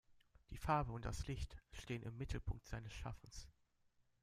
Die Farbe und das Licht stehen im Mittelpunkt seines Schaffens.